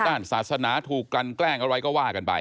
ด้านศาสนาถูกกันแกล้งอะไรก็ว่ากันไป